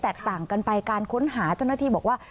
ต่างกันไปการค้นหาเจ้าหน้าที่บอกว่า